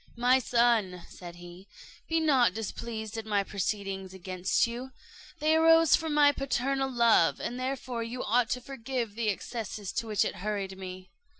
"My son," said he, "be not displeased at my proceedings against you; they arose from my paternal love, and therefore you ought to forgive the excesses to which it hurried me."